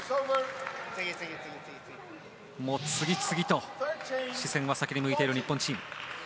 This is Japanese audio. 次々と視線は先に向いている日本チーム。